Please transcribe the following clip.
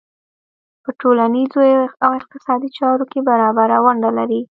په ټولنیزو او اقتصادي چارو کې برابره ونډه لري.